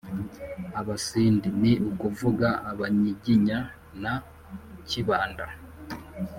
abasindi (ni ukuvuga abanyiginya) na kibanda